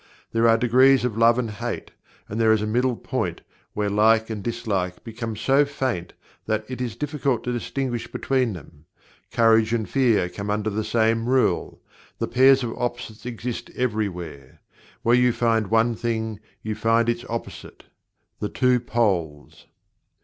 There are degrees of Love and Hate, and there is a middle point where "Like and Dislike" become so faint that it is difficult to distinguish between them. Courage and Fear come under the same rule. The Pairs of Opposites exist everywhere. Where you find one thing you find its opposite the two poles.